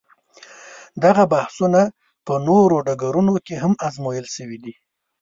دغه بحثونه په نورو ډګرونو کې هم ازمویل شوي دي.